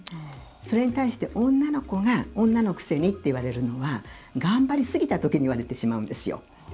それに対して女の子が女のくせにと言われるのは頑張り過ぎたときに言われてしまうんですよ。